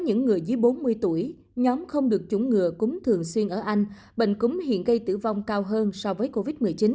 nhóm bốn mươi tuổi nhóm không được chủng ngừa cúng thường xuyên ở anh bệnh cúng hiện gây tử vong cao hơn so với covid một mươi chín